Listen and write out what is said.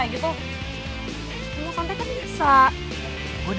ini kalau lu tau ya